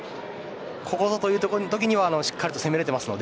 ここぞというときにはしっかり攻められています。